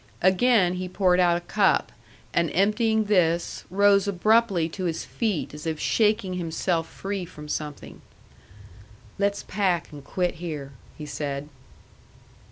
Again he poured out a cup, and emptying this, rose abruptly to his feet as if shaking himself free from something. "Let's pack and quit here," he said.